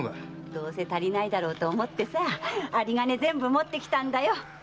どうせ足りないだろうと思ってあり金全部持ってきたんだよ。